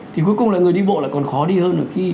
thì cuối cùng là người đi bộ là còn khó đi hơn